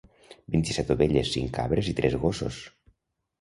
Vint-i-set ovelles, cinc cabres i tres gossos.